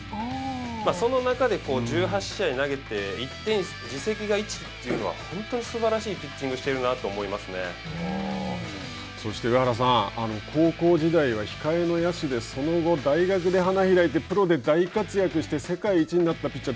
その中で、１８試合投げて自責が１というのは本当にすばらしいピッチングをそして、上原さん高校時代は控えの野手でその後大学で花開いてプロで大活躍して世界一になったピッチャー